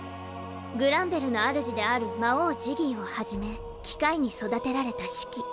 グランベルの主である魔王・ジギーをはじめ機械に育てられたシキ。